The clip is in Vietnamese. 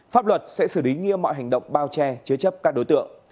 pháp luật sẽ xử lý nghiêm mọi hành động bao che chứa chấp các đối tượng